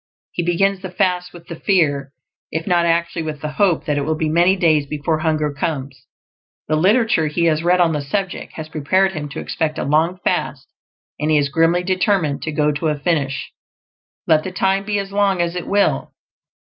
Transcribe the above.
He begins the fast with the FEAR if not actually with the hope that it will be many days before hunger comes; the literature he has read on the subject has prepared him to expect a long fast, and he is grimly determined to go to a finish, let the time be as long as it will.